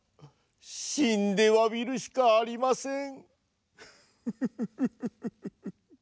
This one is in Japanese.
しんでわびるしかありません。